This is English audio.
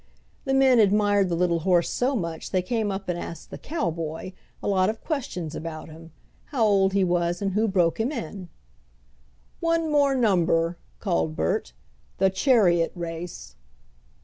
The men admired the little horse so much they came up and asked the "cowboy" a lot of questions about him, how old he was and who broke him in. "One more number," called Bert. "The chariot race."